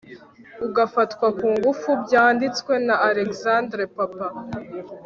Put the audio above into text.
gufatwa ku ngufu byanditswe na alexander papa